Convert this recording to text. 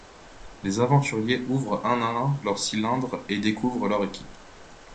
Les aventuriers ouvrent un à un leur cylindre et découvrent leur équipe.